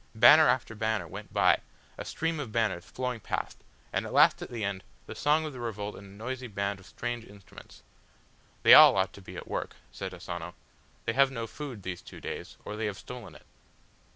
Banner after banner went by, a stream of banners flowing past, and at last at the end, the song of the revolt and a noisy band of strange instruments. "They all ought to be at work," said Asano. "They have had no food these two days, or they have stolen it."